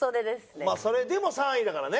それでも３位だからね。